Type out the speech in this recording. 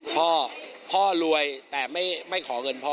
พ่อพ่อรวยแต่ไม่ขอเงินพ่อ